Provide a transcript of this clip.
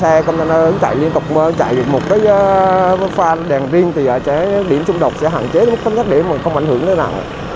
xe container chạy liên tục chạy một cái pha đèn riêng thì điểm xung đột sẽ hạn chế đến mức phân tách để không ảnh hưởng đến nặng